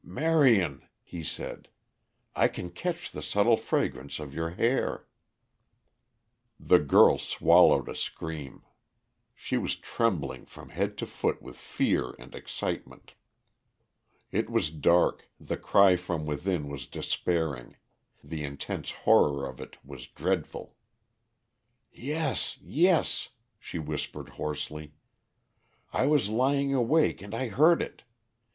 "Marion," he said; "I can catch the subtle fragrance of your hair." The girl swallowed a scream. She was trembling from head to foot with fear and excitement. It was dark, the cry from within was despairing, the intense horror of it was dreadful. "Yes, yes," she whispered hoarsely. "I was lying awake and I heard it.